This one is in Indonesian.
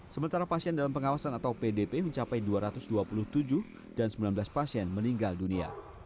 sementara pasien dalam pengawasan atau pdp mencapai dua ratus dua puluh tujuh dan sembilan belas pasien meninggal dunia